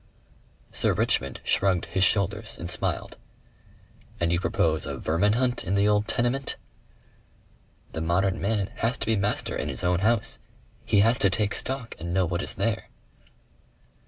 Sir Richmond shrugged his shoulders and smiled. "And you propose a vermin hunt in the old tenement?" "The modern man has to be master in his own house. He has to take stock and know what is there."